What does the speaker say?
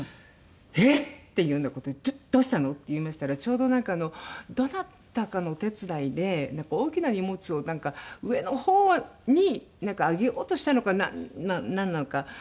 「えっ！？」っていうような事で「どうしたの？」って言いましたらちょうどなんかあのどなたかのお手伝いで大きな荷物を上の方に上げようとしたのかなんなのか。